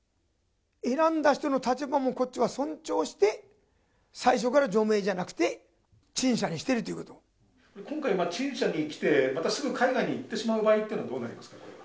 選んだ人の立場もこっちは尊重して、最初から除名じゃなくて、今回、陳謝に来て、またすぐ海外に行ってしまう場合はどうなりますか？